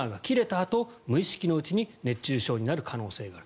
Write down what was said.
あと無意識のうちに熱中症になる可能性がある。